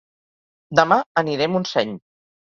Dema aniré a Montseny